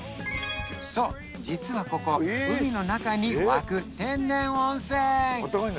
そう実はここ海の中に湧く天然温泉！